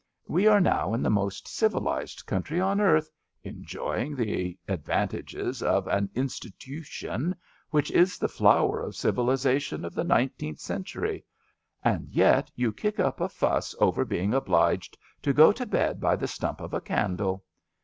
We are now in the most civilised country on earthy enjoying the advantages of an Institoo tion which is the flower of civilisation of the nine teenth century; and yet you kick up a fuss over being obliged to go to bed by the stump of a candle!